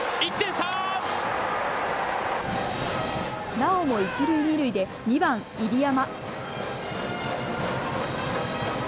なおも一塁二塁で２番・入山。